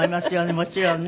もちろんね。